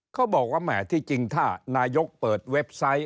เขาบอกว่าแหมที่จริงถ้านายกเปิดเว็บไซต์